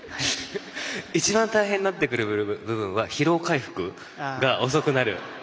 一番大変になってくる部分は疲労回復が遅くなる。